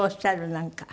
なんか。